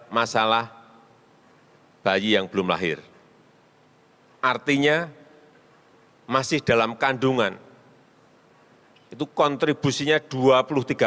mengenai penyumbang stunting